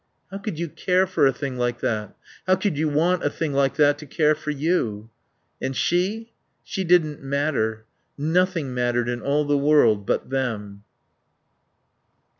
How could you care for a thing like that? How could you want a thing like that to care for you? And she? She didn't matter. Nothing mattered in all the world but Them.